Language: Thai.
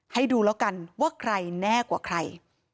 ให้ดูแล้วกันว่าใครแน่กว่าใคร